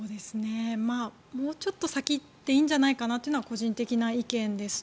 もうちょっと先でいいんじゃないかなというのが個人的な意見です。